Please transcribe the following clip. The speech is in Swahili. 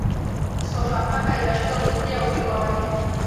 sofapaka ikashindwa kutetea ubingwa wake